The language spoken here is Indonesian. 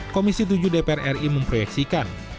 komisi tujuh dpr ri memproyeksikan